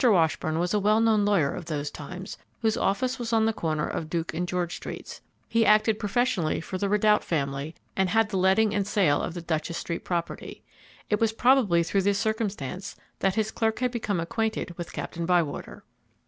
Washburn was a well known lawyer of those times, whose office was on the corner of Duke and George streets. He acted professionally for the Ridout family, and had the letting and sale of the Duchess street property. It was probably through this circumstance that his clerk had become acquainted with Captain Bywater.